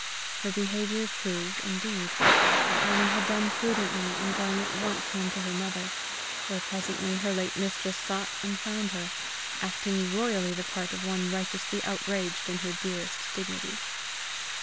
Her behavior proved, indeed, that Annie had done prudently in going at once home to her mother, where presently her late mistress sought and found her; acting royally the part of one righteously outraged in her dearest dignity.